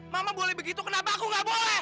mama boleh begitu kenapa aku nggak boleh